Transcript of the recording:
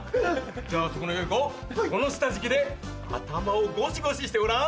じゃあそこの良い子この下敷きで頭をゴシゴシしてごらん。